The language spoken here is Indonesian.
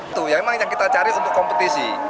itu yang kita cari untuk kompetisi